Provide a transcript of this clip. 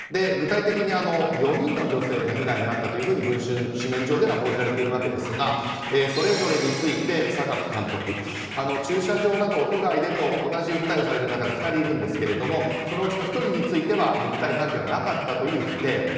具体的に４人の女性が被害に遭ったと「文春」紙面上では報じられているわけですがそれぞれについて、榊監督駐車場など屋外でと同じ訴えをされる方が２人いるんですけどもそのうちの１人については肉体関係はなかったという否定。